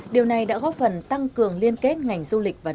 điều này đã góp phần tăng cường liên kết ngành du lịch và du